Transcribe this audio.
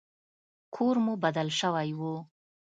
کور مو بدل سوى و.